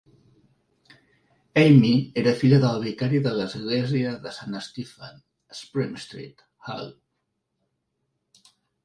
Amy era filla del vicari de l'església de Saint Stephen, Spring Street, Hull.